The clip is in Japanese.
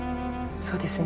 そうですね。